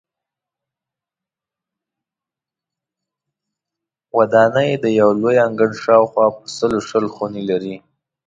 ودانۍ د یو لوی انګړ شاوخوا په سلو شل خونې لري.